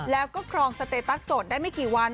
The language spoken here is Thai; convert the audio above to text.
แล้วก็ครองสเตตัสโสดได้ไม่กี่วัน